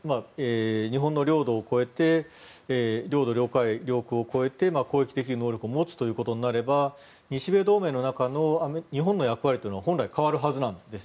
日本の領土を越えて領土・領海・領空を越えて攻撃できる能力を持つとなれば日米同盟の中の日本の役割は本来変わるはずなんです。